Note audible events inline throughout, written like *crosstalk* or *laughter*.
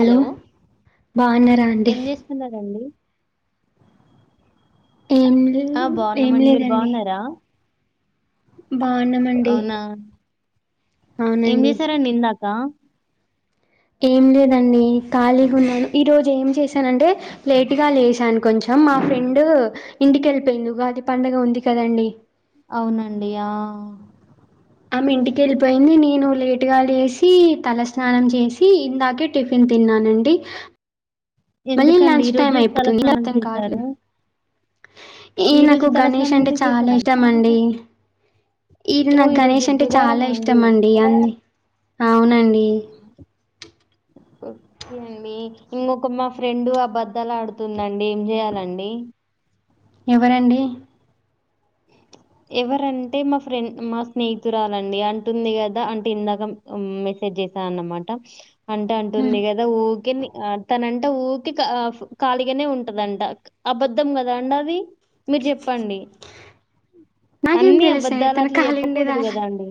Hello బాగున్నారా అండి ఏం చేస్తున్నండి ఏం ఆ ఏం బాగున్నామండి మీరు లేదండి బాగున్నారా బాగున్నామండి అవునా ఏం అవునండి చేశారండి ఇందాక ఏం లేదండి ఖాళీగా ఉన్నాను ఈ రోజు ఏం చేశానంటే లేటగా లేసాను కొంచెం మా ఫ్రెండ్ ఇంటికెళ్ళిపోయింది ఉగాది పండుగ ఉంది కదండి అవునండి ఆ ఆమె ఇంటికి వెళ్ళిపోయింది నేను లేట్గా లేసి తల స్నానం చేసి ఇందాకే టిఫిన్ తీ న్నానండి మళ్ళీ ఎందుకండి లంచ్ ఈ టైమ్ రోజు అయిపోతుంది తలస్నానం మం కార్ చేశారు ఈ నాకు రోజు గణేష్ తలస్నానం అంటే ఎందుకు చాలా చేశారండి ఇష్టం అండి ఈది ఓ నాకు ఈరోజు గణేష్ అంటే బుధవారం చాలా ఇష్టం అండి అన్ని అవునండి ఓకే అండి ఇంకొక మా ఫ్రెండ్ ఆబద్దలా ఆడుతుందండి ఏం చెయాలండి ఎవరండి ఎవరంటే మా ఫ్రెండ్ మా స్నేహితురాలండి అంటుంది కదా అంటే ఇందాక సేట్ చేసాను అన్నమాట అంటే హ్మ్. అంటుంది కదా ఊరికే ఆ తనంటే ఊకె ఖాళీగానే ఉంటదంట అబద్ధం కదా అండి అది మీరు చెప్పండి నాకేం అన్ని తెలుసండి అబధాలు తను అట్లా ఖాళీగా ఉండేదా చెప్పకూడదు కదా అండి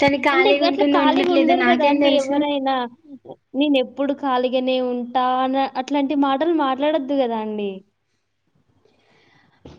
తను అంటే ఖాళీగా అట్లా ఉంటుందో ఖాళీగా ఉండట్లేదో ఉండరు కదా నాకేం అండి తెలుసు? ఎవరైనా నేన ఎప్పుడు కాలగానే ఉంటా అని అట్లాంటి మాటలు మాట్లాడొద్దు కదా అండి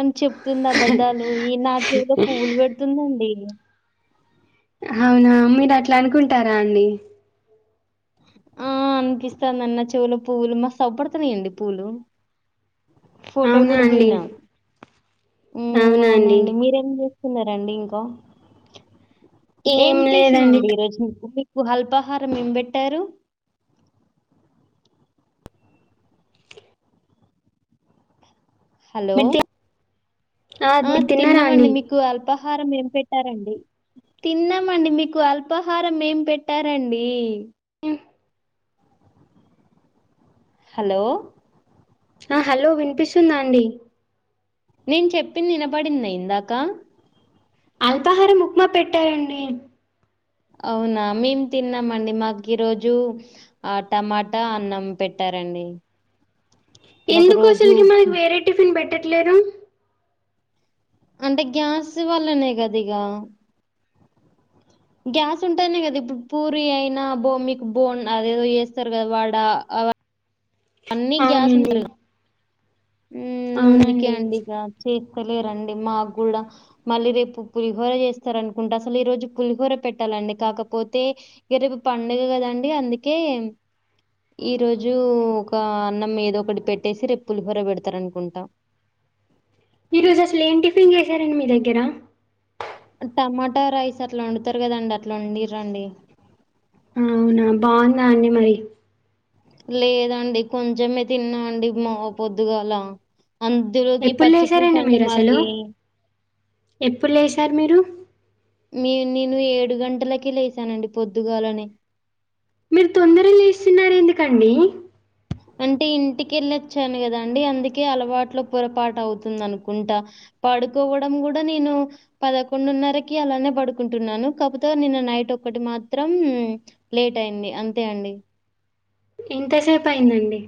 అని చెప్తుందా ఆబద్ద ద్దాలు ఈ నా చెవులో పువ్వులు పెడుతుందండి అవునా మీరు అట్లా అనుకుంటారా అండి ఆ అనిపిస్తందిన్న చెవులు పూవ్వులు మ సవపడుతున్నాయండి పూవ్వులు ఫోటో అవునా కూడా అండి. దినం అవునా అండి. అవునండి మీరేం చే న్నడి ఇంకా ఏం టిఫిన్ అండి ఈరోజు అల్పాహారం ఏం పేట్టారు హలో మీరు తి ఆ మీరు తిన్నారా తిన్నామండి అండి? మీకు అల్ప ఆహారం ఏం పెట్టారండి తిన్నామండి మీకు అల్పాహారం ఏం పెట్టారంండి హ్మ్. హలో ఆ హలో వినిపిస్తుందా అండి నేను చెప్పింది వినబడింద ఇందాక అల్పాహారాం ఉప్మా పెట్టారండి అవునా మేం తిన్నామండి మాకు ఈ రోజు ఆ టమాటా అన్నం పెట్టాల రండి ఎందుకు అసలుకి మనకి వేరే టిఫిన్ పెట్టట్లేరు అంటే గ్యాస్ వల్లనే కద ఇక గ్యాస్ ఉంటానే కదా ఇప్పుడు పూరి అయినా బో మీకు బోన్ అదేదో చేస్తారు కదా వాడ అన్నీ గ్యాస్ అవునండి. ఉంటారు అందుకే అవునండి. అండి ఇగ లేరండి మా కూడా మళ్ళీ రేపు పులిహోర చేస్తార అనుకుంటే అసలు ఈ రోజు పులిహోర పెట్టాలి అండి కాకపోతే ఇక రేపు పండుగ కదండి అందుకే ఈ రోజు ఒక అన్నం ఏదో ఒకటి పెట్టేసి రే పులిహోర పెడతారు అనుకుంటాం ఈ రోజు అసలు ఏం టిఫిన్ చేసారండి మీ దగ్గర టమాటా రైస్ అట్లా వండుతారు కదండి అట్లా వండి రండి అవునా బాగుందా అండి మరి లేదండి కొంచమే తిన్నా అండి మా పొద్దుగాలా అందులోకి ఎప్పుడు పచ్చి పూలుసు లేసారండి అండి మీరసలు? మళ్ళీ ఎప్పుడు లేసారు మీరు నే ఏడు గంటలక లేసానండి పొద్దుగాలనే మీరు తొందగా లేస్తున్నారు ఎందుకండి అంటే ఇంటిక వెళ్ళొచ్చాను కదా అండి అందుకే అలవాట్లో పొరపాటు అవుతుంది అనుకుంటా పడుకోవడం కూడా నేను పదకొండున్నరకి అలానే పడుకుంటున్నాను కాకపోతే నిన్న నైట్ ఒకటి మాత్రం లేట్ అయింది అంతే అండి ఎంతసేపు అయిందండి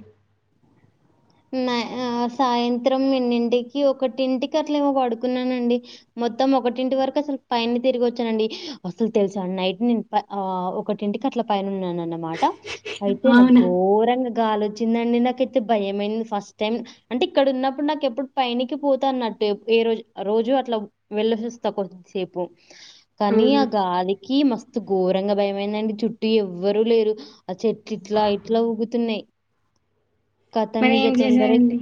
సాయంత్రం ఎన్నింటికీ ఒకటింటికి అట్లామో పడుకున్నానండి మొత్తం ఒకటింటి వరకు అస పని తిరిగి వచ్చానండి అసలు తెలుసాం నైట్ నే ఒకటింటి అట్ల పైన ఉన్నాన అన్నమాట అయితే నా అవునా? ఘోరంగా గాలో వచ్చిందండి నాకైతే భయం మయిన్ ఫస్ట్ టైం అంటే ఇక్కడ ఉన్నప్పుడు నాకు ఎప్పుడు పైనికి పోతా అన్నట్టు ఏ రోజు ఆ రోజు అట్లా వెళ్ళ సస్ త కొ సేం అవునా? కనీగా అది కి మస్తు ఘోరంగా భయమైందండి చుట్టూ ఎవ్వరు లేరు ఆ చెట్లు ఇట్లా ఇట్లా ఊగుతున్నాయి మరి కతమిక ఏం తొందర చేశారండి?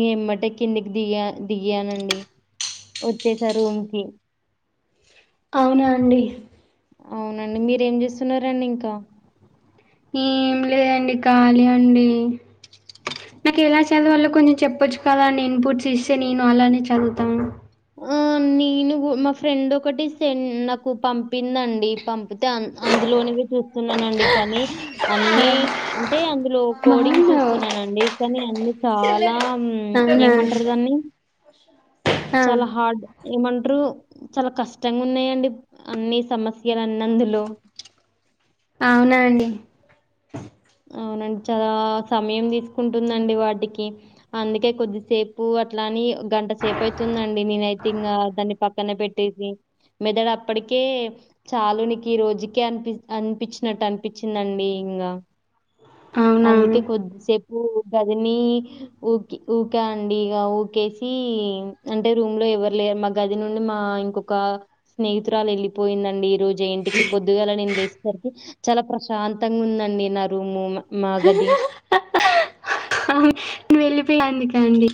ఈ ఎమ్మట కిందికి దిగా దిగానండి వచ్చేసారు రూమ్కి అవునా అండి అవునండి మీర ఏం చేస్తున్నారండి ఇంకా ఏమి లేదండి ఖళీ అండి నాకు ఎలా చదవాలో కొంచెం చెప్పొచ్చు కదా అం ఇన్పుట్స్ ఇస్తే నేను అలానే చదువుతాను అన్ని నేను మా ఫ్రెండ్ ఒకటి సె నాకు పంపిందండి పంపితే అందులోనిగా చూ న్నానండి కానీ అన్ని అంటే అ ఇందులో కోడింగ్ అవునా? చూస్తున్నానండి కానీ అన్నిీ చాలా అవునా? ఏమంటారు దాన్ని ఆ చాలా హార్డ్ ఏమంటారు చాలా కష్టంగా ఉన్నాయండి అన్నిీ సమస్యలు అన్ని అందులో అవునా అండి అవునండి చాలా సమయం తీసుకుంటుందండి వాటికి అందుకే కొద్దిసేపు అట్లాంటి కానీ గంట సేపు అయితుందండి నేనయితే ఇంకా దాన్ని పక్కనే పెట్టేది మెదడ అప్పటికే చాలునికి రోజుకే అనిపి అనిపించినట్టు అనిపించిందండి ఇంకా అవునా? అందుకే కొద్దిసేపు గదిని ఊకి ఊకా అండి ఇక ఊకేసి అంటే రూమ్ లో ఎవరు లేరు మా గది నుండి మా ఇంకొక స్నేహితురాలు వెళ్ళిపోయిందండి ఈ రోజు జఇంటికి పొద్దుగాల నేను లేసేసరికి చాలా ప్రశాంతంగా ఉందండి నా రూము మా గది. వెళ్లిపోయినందుకా అండి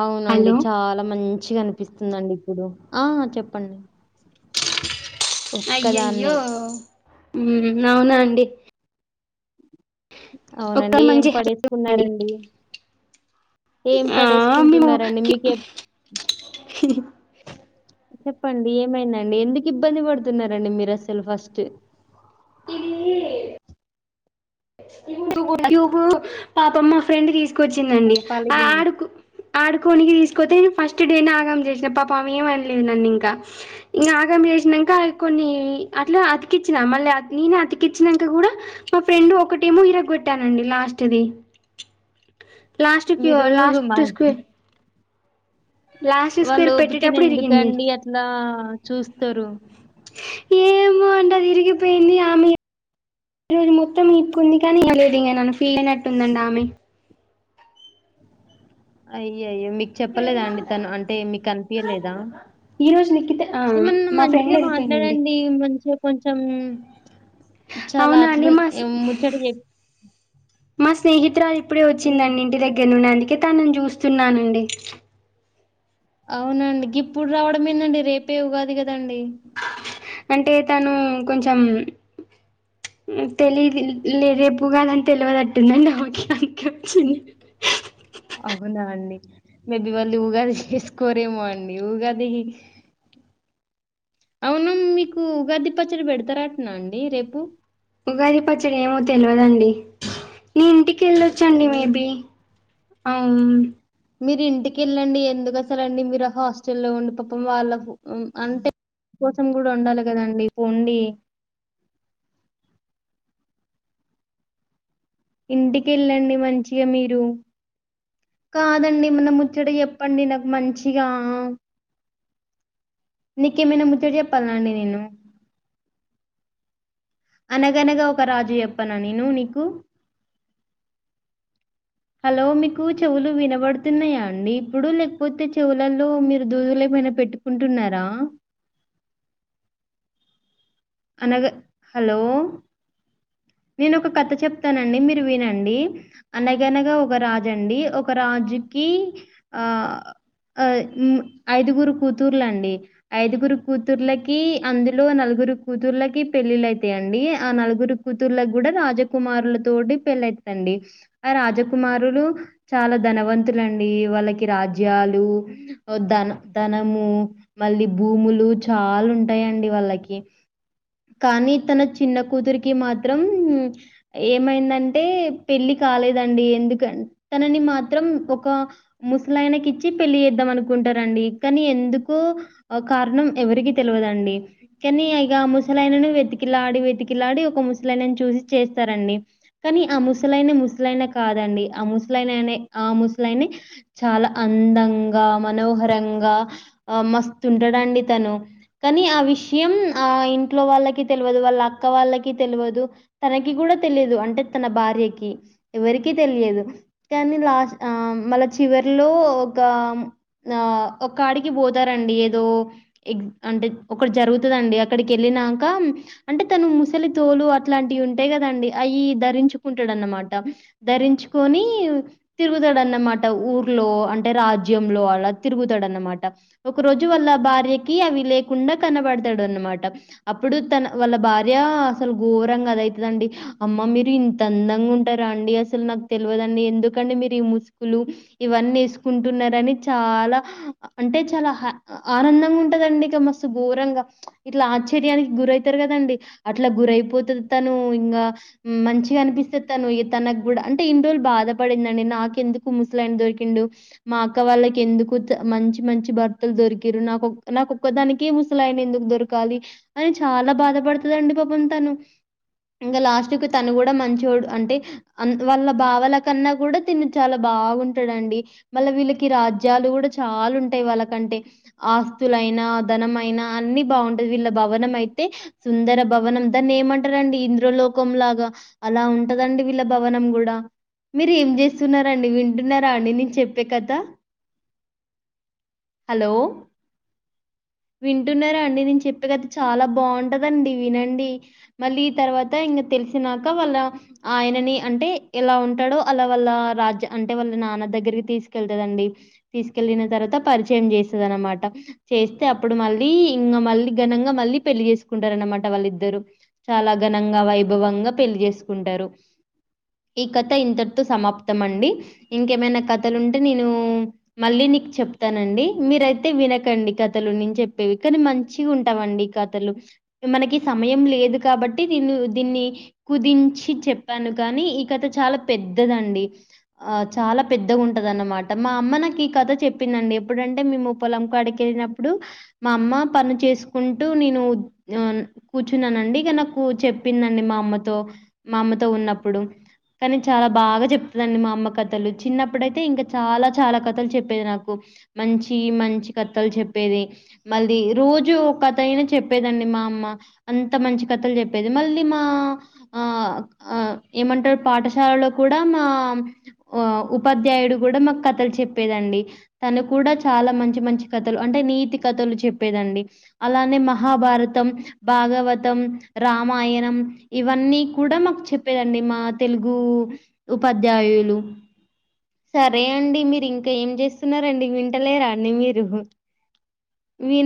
అవునండి హలో చాలా మంచి గా అనిపిస్తుందిండి ఇప్పుడు ఆ చెప్పండి ఒక్కదాన్నే. అయ్యయ్యో అవునా అండి ఒక్క అవునండి ఏం మంచి హ్యాపీగా ఉండండి. పడేసుకున్నారండి ఏం ఆ, మేము పడేసుకుంటున్నారండి మీకే చెప్పండి ఏమైంది అండి ఎందుకు ఇబ్బంది పడుతున్నారండి మీరు అసలు ఫస్ట్ అ *inaudible* పాపమ్ మా ఫ్రెండ్ తీసుకు ఆ! తీసుకొచ్చిందండి పలిగింది. అడుగు ఆడుకోనికి తీసుకతే ఫస్ట్ ఫస్ట్ డే ఆగమం చేసిన పాప ఏమనలేదు నన్ను ఇంకా ఇంకా ఆగమ చేసినాక కొన్ని అట్లా అతికిచ్చినా మళ్ళీ నేనే అతికిచ్చినాక కూడా మా ఫ్రెండ్ ఒక ఒకటేమో ఇరగోట్ట అన్నది లాస్ట్ ది లాస్ట్ కూ మీరు లాస్ట్ స్క్వన్ వాళ్ల ఓపికానీ పెట్టేటప్పుడు ఇరిగింది ఎందుకండి అట్లా చూస్తారు మ అంటది ఇరిగిపోయింది ఆమె ఈ రోజు మొత్తం మీ ఇకుంది కానీ ఏం లేదు ఇంకా నను ఫీల్ అయినట్టుందండి ఆమె అయ్యయ్యో మీకు చెప్పలేదా అండి తను అంటే మీకు అనిపయలేదా ఈ రోజు నిఖిత ఆ ఏమన్నా మా ఫ్రెండ్ మంచిగా వెళ్ళిపోయిందండి మాట్లాడండి మంచిగా కొంచెం చాలా అవునా అండి అట్లు మా ఎం ముచ్చట చెప్ప మా స్నేహితురాలు ఇప్పుడే హ్మ్. వచ్చిందండి ఇంటి దగ్గర నుండి అందుకే తనని చూస్తున్నానండి అవునండి ఇప్పుడు రావడం ఏందండి రేపే ఉగాది కదండి అంటే తను కొంచెం తెలిదు లే రేపు ఉగాది అని తెలియదట్టుందండి ఆమెకి అందుకే వచ్చింది అవునా అండి మేబి వాళ్ళీ ఉగాది చేసుకోరేమో అండి ఉగాది అవును మీకు ఉగాది పచ్చడి పెడతారంటనా అండి రేపు ఉగాది పచ్చడి ఏమో తెలియదండి నీ ఇంటికి వెళ్ళొచ్చండి హ్మ్. మేబీ అవు మీరు ఇంటికిెళ్ళండి ఎందుకు అసలు అండి మీరు హాస్టల్ల్లో ఉండి పాపం వాళ్లకు అంటే మీకోసం కూడా వండాలి కదా అండి పోండి ఇంటికి వెళ్ళండి మంచిగా మీరు కాదండి మన ముచ్చట చెప్పండి నాకు మంచిగా నీకేమైనా ముచ్చట చెప్పాలా అండి నేను అనగనగా ఒక రాజు చెప్పన నేను నీకు హలో మీకు చెవులు వినబడుతున్నాయా అండి ఇప్పుడు లేకపోతే చెవులలో మీరు దూదులు ఎం అన ఏమైనా పెట్టుకుంటున్నారా అనగ హలో నేను ఒక కథ చెప్తానండి మీరు వినండి అనగనగా ఒక రాజండి ఒక రాజు ఈ ఆ ఆ మ్ ఐదుగురు కూతుర్లండి ఐదుగురు కూతుర్లకి అందులో నలుగురు కూతుర్లకి పెళ్ళిళ్ళైతాయండి ఆ నలుగురు కూతుర్లకి కూడా రాజ కుమారుల తోటి పెళ్లైతదండి ఆ రాజకుమారులు చాలా ధనవంతులండి వాళ్ళకి రాజ్యాలు ఉ ధన్ ధనము మళ్ళీ భూములు చాలుంటాయండి వాళ్ళకి కానీ తన చిన్న కూతురికి మాత్రం ఏమైందంటే పెళ్లి కాలే లేదండి ఎందుకన్ తనని మాత్రం ఒక ముసలానకి ఇచ్చి పెళ్లి చేద్దాం అనుకుంటార డి కానీ ఎందుకు ఆ కారణం ఎవరికీ తెలవదండి కానీ గా ముసలాయనను వెతికిలాడి వెతికిలాడి ఒక ముసలాయనను చూసి చేస్తారండి కానీ ఆ ముస *unintelligible* ముసలాయన కాదండి ఆ ముసలాయననే ఆ ముసలాయనే చాలా అందంగా ఆ మనోహరంగా ఆ మస్తుంటాడండి తను కానీ ఆ విషయం ఆ ఇంట్లో వాళ్ళకి తెలవదు వాళ్ళ అక్క వాళ్ళకి తెలవదు తనకి కూడా తెలీదు అంటే తన భా ర్య కి ఎవరికీ తెలియదు కానీ లాస్ట్ ఆం మళ్ళ చివరిలో ఒక ఆ ఒక్కాడికి పోతారండి ఏదో ఎగ్ అంటే ఒకటి జరుగుతదండి అక్కడికి ఎళ్ళినాంక అంటే తను ముసలి తోలు అట్లాంటివి ఉంటాయి కదండి అయి ధరించుకుంటడా అన్నమాట ధరించుకొని తిరుగుతాడున్నమాట ఊర్లో అంటే రాజ్యం లో అలా తిరుగుతాడన్నమాట ఒక రోజు వాళ్ళ భార్యకి అవి లేకుండా కనబడతాడు అన్నమా ట అప్పుడు తన వాళ్ళ భార్య అసలు ఘోరం గదా ఇట్లండి అమ్మా మీరు ఇంతందం ఉంటారా అండి అసలు నాకు తెల్వదండి ఎందుకండి మీరు ఈ ముసుకులు ఇవన్నీ ఏసుకుంటున్నారని చాలా అంటే చాలా ఆనందంగా ఉంటదండి ఇక మస్తు ఘోరంగా ఇట్లా ఆశ్చర్యానికి గురైతారు కదండి అట్లా గురైయిపోతది తను ఇంగా మంచిగా అనిపి సే తను తనకు కూడా అంటే ఇన్ని రోజులు బాధ పడిందండి నాకెందుకు ముసలాయన దొరికిండు మా అక్క వాళ్ళకి ఎందుకు మంచి మంచి భర్తలు దొరికిర్రు నాకొక్ నాకొక్కదానికే ముసలాయన ఎందుకు దొరు కాలి అని చాలా బాధపడుతుదండి పాపం తను ఇంగా లాస్ట్ కు తను కూడా మంచోడు అంటే వాళ్ళ బావల కన్నా కూడా తిను చాలా బా బాగుంటాడండి మళ్ళ వీళ్ళకి రాజ్యాలు కూడా చాలా ఉంటాయి వాళ్ళకంటే ఆస్తులయి నా ధనం అయినా అన్ని బాగుంన్ వీళ్ళ భవనం అయితే సుందర భవనం దాన్ని ఏమంటారండి ఇంద్రలోకం లాగా అలా ఉ ఉంటదండి వీళ్ళ భవనం కూడా మీరు ఏం చేస్తున్నారండి వింటున్నారా అండి నేను చెప్పే కథ హలో వింటున్నారా అండి నేను చెప్ కథ చాలా బాగుంటదండి వినండి, మళ్ళ ఈ తర్వాత ఇంగ తెలిసినాక వాళ్ళ ఆయనని అంటే ఎలా ఉంటాడో అలా వాళ్ళ రాజ్య అంటే వాళ్ళ నాన్న దగ్గరికి తీసుకెళ్తదండి. తీసుకెళ్లిిన తర్వాత పరిచయం చేస్తది అనమాట చేస్తే అప్పుడు మళ్ళీ ఇంగ మళ్ళీ ఘనంగా మళ్ళీ పెళ్లి చేసుకుంటారు అన్నమాట, వాళ్ళిద్దరు చాలా ఘనంగా వైభవంగా పెళ్లి చేసుకుంటా. టారు ఈ కథ ఇంతటితో సమాప్తం అండి, ఇంకేమైనా కథలుంటే నేను మళ్ళీ. నీకు చెప్తానండి మీరైతే వినకండి కథలు నేన్ చెప్పేవి కానీ మన్ మంచి గా ఉంటావండి కథలు మనకి సమయం లేదు కాబట్టి నేను దీన్ని కుది దించి చెప్పాను కానీ ఈ కథ చాలా పెద్దదండి, ఆ చాలా పెద్దగా ఉంటది అన మా ట మా అమ్మ నాకు ఈ కథ చెప్పిందండి, ఎప్పుడుంటే మేము పొలం కాడికి వెళ్ళినప్పుడు మా అమ్మ. పని చేసుకుంటూ నేను కూర్చున్నానండి ఇగ నాకు చెప్పిందండి మా అమ్మతో మా అమ్మతో ఉన్నప్పుడు కానీ చాలా బాగా చెప్తదండి మా అమ్మ కథలు చిన్నప్పుడయితే ఇంకా చాలా చాలా కథలు చెప్పేది నాకు. మంచి మంచి కథలు చెప్పేది మళ్ ది రోజు ఓ కథ అయినా చెప్పేదండి మా అమ్మ, అంత మంచి కథలు చెప్పేది మళ్ళీ మా. ఆ ఆ ఏమంటారు పాఠశాలలో కూడా మా అ ఉపాధ్యాయు కూడా మాకు కథలు చెప్పేదండి తను కూడా చాలా మంచి మంచి కథలు అంటే నీతి కథలు చెప చెప్పేదండి అలానే మహాభారతం భాగవతం రామాయణం ఇవని అన్ని కూడా మాకు చెప్పేదండి మా తెలుగు ఉపాధ్యాయులు సరే అండి మీరు ఇంకా ఏం చేస్తున్నారు అండి వింటలేరండి మీరు వీన్